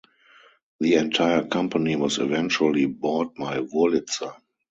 The entire company was eventually bought by Wurlitzer.